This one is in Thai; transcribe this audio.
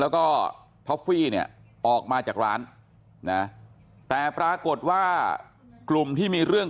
แล้วก็ท็อฟฟี่เนี่ยออกมาจากร้านนะแต่ปรากฏว่ากลุ่มที่มีเรื่อง